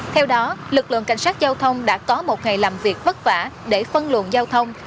theo đó lực lượng cảnh sát giao thông đã có một ngày làm việc vất vả để phân luận giao thông